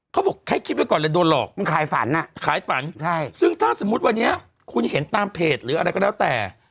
เขาบอกให้คิดไว้ก่อนเลยโดนหลอกมันขายฝันอ่ะขายฝันใช่ซึ่งถ้าสมมุติวันนี้คุณเห็นตามเพจหรืออะไรก็แล้วแต่